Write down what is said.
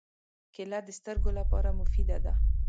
کېله د سترګو لپاره مفیده ده.